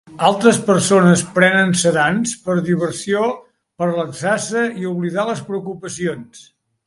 Altres persones prenen sedants per diversió per relaxar-se i oblidar les preocupacions.